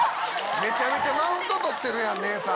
・めちゃめちゃマウント取ってるやん姉さん。